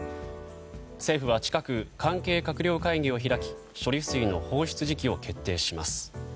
政府は近く関係閣僚会議を開き処理水の放出時期を決定します。